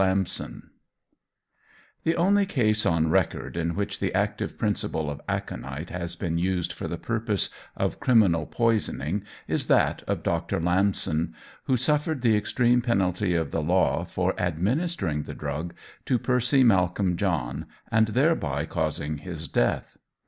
LAMSON THE only case on record in which the active principle of aconite has been used for the purpose of criminal poisoning is that of Dr. Lamson, who suffered the extreme penalty of the law for administering the drug to Percy Malcolm John, and thereby causing his death.